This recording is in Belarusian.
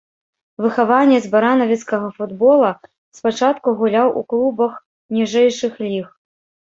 Выхаванец баранавіцкага футбола, спачатку гуляў у клубах ніжэйшых ліг.